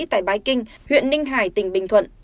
tại bái kinh huyện ninh hải tỉnh bình thuận